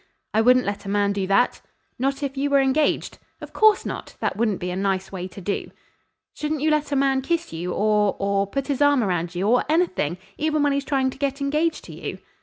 "I wouldn't let a man do that." "Not if you were engaged?" "Of course not! That wouldn't be a nice way to do." "Shouldn't you let a man kiss you or or put his arm around you or anything even when he's trying to get engaged to you?"